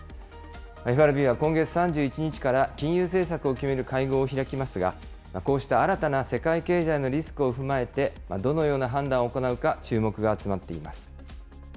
ＦＲＢは今月３１日から、金融政策を決める会合を開きますが、こうした新たな世界経済のリスクを踏まえて、どのような判断を行うか注目が集まっています。